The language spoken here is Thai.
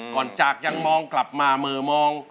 ก่อนจากยังมองกลับมาเหมือมอง